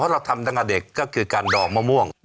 เราทำตั้งแต่เด็กก็คือการดองมะม่วง